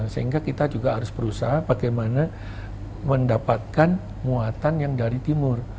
sehingga kita juga harus berusaha bagaimana mendapatkan muatan yang dari timur